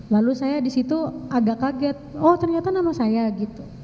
lalu saya disitu agak kaget oh ternyata nama saya gitu